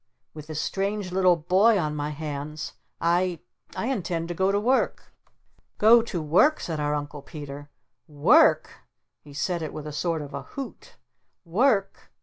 With this strange little boy on my hands, I I intend to go to work!" "Go to work?" said our Uncle Peter. "WORK?" He said it with a sort of a hoot. "Work?